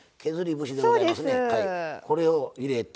これを入れて。